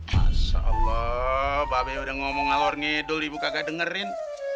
masya allah babi udah ngomong ngalor ngedul ibu kagak dengerin